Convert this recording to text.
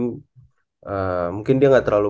ee mungkin dia gak terlalu